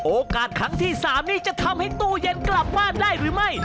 โอกาสครั้งที่๓นี้จะทำให้ตู้เย็นกลับบ้านได้หรือไม่